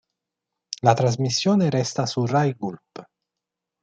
La trasmissione resta su Rai Gulp.